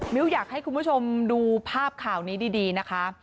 อยากให้คุณผู้ชมดูภาพข่าวนี้ดีนะคะ